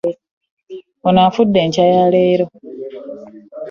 Ono afudde enkya ya leero.